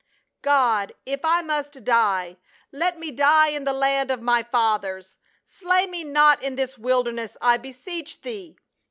"•^OD, if I must die, let me die in the land of my V_X fathers ! Slay me not in this wilderness, I be seech thee."